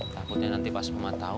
takutnya nanti pas mama tahu